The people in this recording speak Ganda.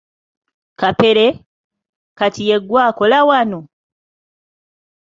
Kapere, Kati ye ggwe akola wano?